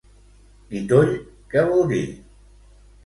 Guitoll què vol dir?